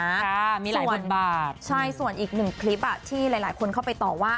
ค่ะมีหลายพันบาทใช่ส่วนอีกหนึ่งคลิปอ่ะที่หลายหลายคนเข้าไปต่อว่า